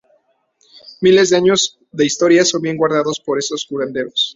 Miles de años de historia son bien guardados por estos curanderos.